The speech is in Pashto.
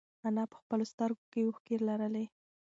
انا په خپلو سترگو کې اوښکې لرلې.